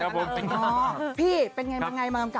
เห็นหน้าบ้าง